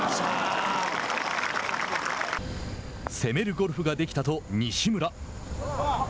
「攻めるゴルフができた」と西村。